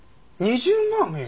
２０万円！？